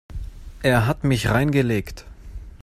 Er hat mich reingelegt.